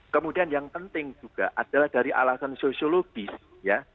kemudian yang penting juga adalah dari alasan sosiologis ya